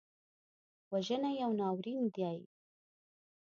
وژنه یو ناورین دی